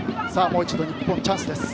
もう一度、日本チャンスです。